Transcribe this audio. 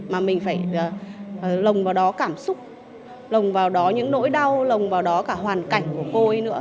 mà mình phải lồng vào đó cảm xúc lồng vào đó những nỗi đau lồng vào đó cả hoàn cảnh của cô ấy nữa